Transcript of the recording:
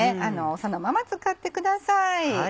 そのまま使ってください。